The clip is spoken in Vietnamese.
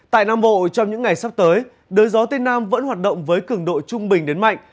tại nam bộ trong những ngày sắp tới đời gió tây nam vẫn hoạt động với cứng độ trung bình đến mạnh